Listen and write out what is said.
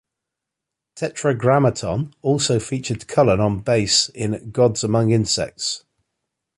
"Tetragrammaton" also featured Cullen on bass in "God's Among Insects.